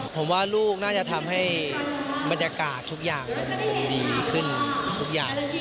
ผมว่าลูกน่าจะทำให้บรรยากาศทุกอย่างมันดีขึ้นทุกอย่าง